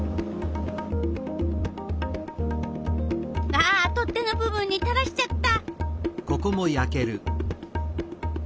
あ取っ手の部分にたらしちゃった。